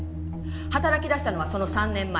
働き出したのはその３年前。